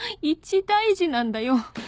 一大事なんだよ！